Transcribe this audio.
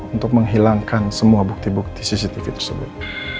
untuk menghilangkan semua bukti bukti cctv tersebut